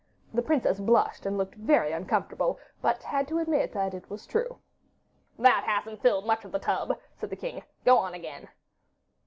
The princess blushed and looked very uncomfortable, but had to admit that it was true. 'That hasn't filled much of the tub,' said the king. 'Go on again.